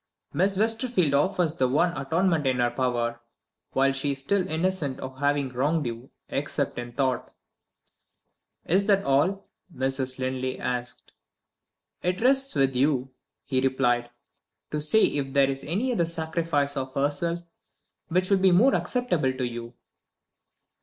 Miss Westerfield offers the one atonement in her power, while she is still innocent of having wronged you except in thought." "Is that all?" Mrs. Linley asked. "It rests with you," he replied, "to say if there is any other sacrifice of herself which will be more acceptable to you."